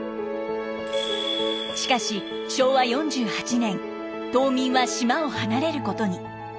しかし昭和４８年島民は島を離れることに。